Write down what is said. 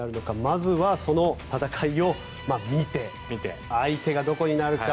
まずはその戦いを見てみて相手がどこになるか。